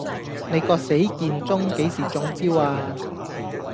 你個死健忠幾時中招呀